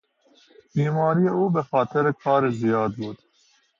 بیماری او به خاطر کار زیاد بود